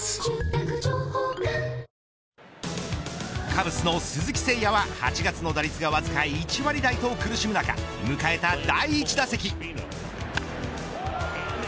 カブスの鈴木誠也は８月の打率がわずか１割台と苦しむ中迎えた第１打席。